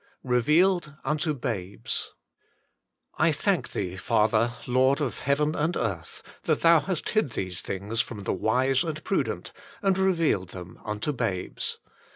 XVI REVEALED UNTO BABES " I thank Thee, Father, Lord of heaven and earth, that Thou hast hid these things from the wise and prudent, and revealed them unto babes."